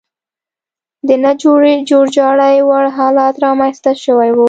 د نه جوړجاړي وړ حالت رامنځته شوی و.